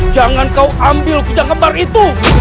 jangan kau ambilkuitan lembar itu